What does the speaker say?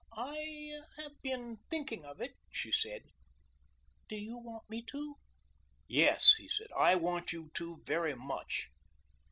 "I have been thinking of it," she said; "do you want me to?" "Yes," he said, "I want you to very much."